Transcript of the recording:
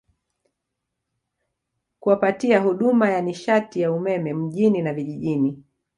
kuwapatia huduma ya nishati ya umeme mjini na vijijini